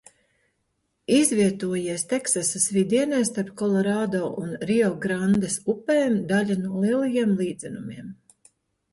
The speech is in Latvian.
Izvietojies Teksasas vidienē starp Kolorādo un Riograndes upēm, daļa no Lielajiem līdzenumiem.